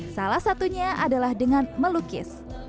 salah satunya adalah dengan melukis